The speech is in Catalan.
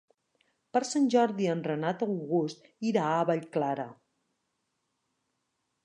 Per Sant Jordi en Renat August irà a Vallclara.